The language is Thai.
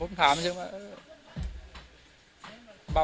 วันนี้ก็จะเป็นสวัสดีครับ